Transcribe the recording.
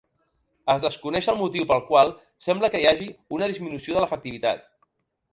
Es desconeix el motiu pel qual sembla que hi hagi una disminució de l'efectivitat.